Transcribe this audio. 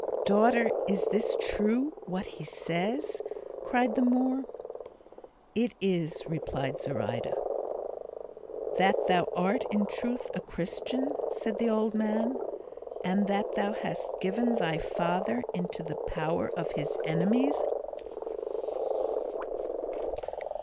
"Daughter, is this true, what he says?" cried the Moor. "It is," replied Zoraida. "That thou art in truth a Christian," said the old man, "and that thou hast given thy father into the power of his enemies?"